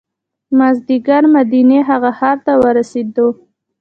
مازدیګر مدینې هغه ښار ته ورسېدو.